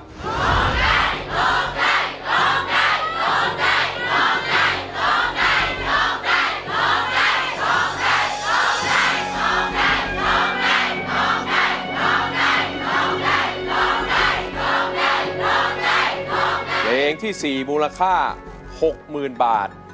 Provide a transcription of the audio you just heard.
โทษให้โทษให้โทษให้โทษให้เพลงที่สี่มูลค่าหกหมื่นบาท